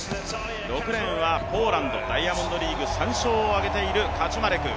６レーンはポーランド、ダイヤモンドリーグ３戦を挙げているカチュマレク。